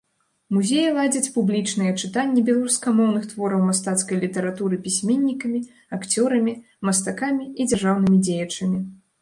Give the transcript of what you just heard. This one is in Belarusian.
Музеі ладзяць публічныя чытанні беларускамоўных твораў мастацкай літаратуры пісьменнікамі, акцёрамі, мастакамі і дзяржаўнымі дзеячамі.